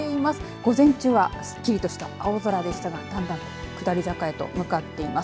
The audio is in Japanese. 午前中はすっきりとした青空でしたがだんだん下り坂へと向かってます。